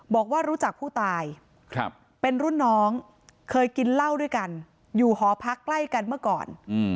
บอกว่ารู้จักผู้ตายเป็นรุ่นน้องเคยกินเหล้าด้วยกันอยู่หอพักใกล้กันเมื่อก่อน